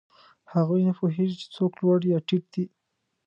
هغوی نه پوهېږي، چې څوک لوړ یا ټیټ دی.